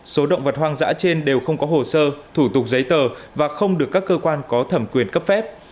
số động vật hoang dã trên đều không có hồ sơ thủ tục giấy tờ và không được các cơ quan có thẩm quyền cấp phép